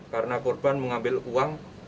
karena korban mengambil uang